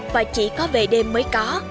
và chỉ có về đêm mới có